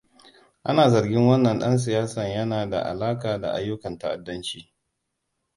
Ana zargin wannan dan siyasan yana da alaƙa da ayyukan ta'addanci.